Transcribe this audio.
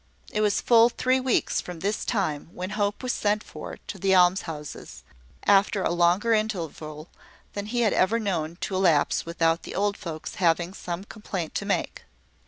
It was full three weeks from this time when Hope was sent for to the almshouses, after a longer interval than he had ever known to elapse without the old folks having some complaint to make.